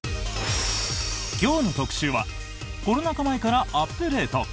今日の特集はコロナ禍前からアップデート！